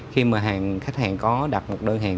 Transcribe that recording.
khi mà khách hàng có đặt một đơn hàng